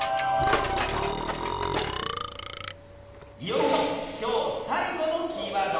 いよいよ今日最後のキーワード